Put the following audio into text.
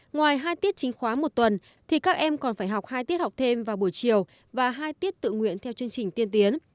ngoài hai tiết chính khóa một tuần thì các em còn phải học hai tiết học thêm vào buổi chiều và hai tiết tự nguyện theo chương trình tiên tiến